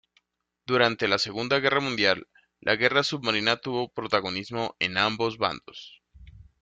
Durante la Segunda Guerra Mundial, la guerra submarina tuvo protagonismo en ambos bandos.